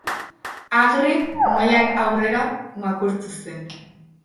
Hagrid mahaian aurrera makurtu zen.